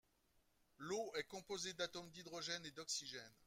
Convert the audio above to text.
L'eau est composée d'atomes d'hydrogène et d'oxygène.